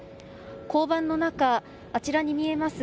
交番の中、あちらに見えます